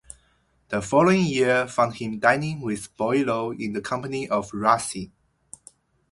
The following year found him dining with Boileau in the company of Racine.